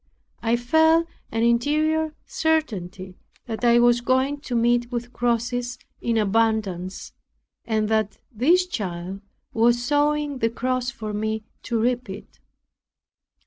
I felt an interior certainty that I was going to meet with crosses in abundance and that this child was sowing the cross for me to reap it.